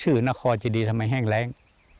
นครจะดีทำไมแห้งแรง